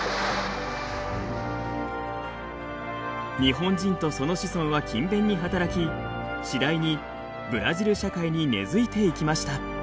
日本人とその子孫は勤勉に働き次第にブラジル社会に根づいていきました。